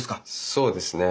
そうですね。